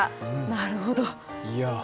なるほど。